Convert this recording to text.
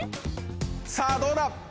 さぁどうだ？